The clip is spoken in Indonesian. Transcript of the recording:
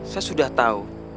saya sudah tahu